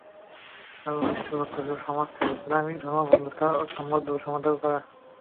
তাঁর অভীষ্ট লক্ষ্য ছিল সমাজ থেকে গোঁড়ামি, ধর্মান্ধতা, অসাম্য, বৈষম্য দূর করা।